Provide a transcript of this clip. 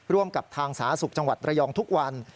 ร่วมกับทางสาธารณสุขจังหวัดระยองทุกวัน